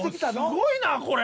すごいなこれ。